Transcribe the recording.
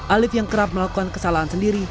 alif yang kerap melakukan kesalahan sendiri